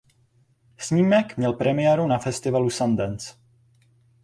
Snímek měl premiéru na Festivalu Sundance.